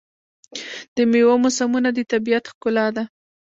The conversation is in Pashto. د میوو موسمونه د طبیعت ښکلا ده.